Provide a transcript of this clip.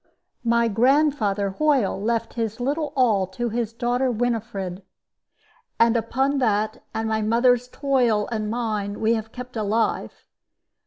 My grandfather Hoyle left his little all to his daughter Winifred; and upon that, and my mother's toil and mine, we have kept alive.